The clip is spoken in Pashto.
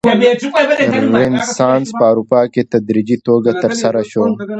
رنسانس په اروپا کې په تدریجي توګه ترسره شو.